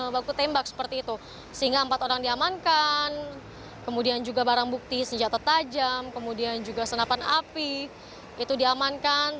baku tembak seperti itu sehingga empat orang diamankan kemudian juga barang bukti senjata tajam kemudian juga senapan api itu diamankan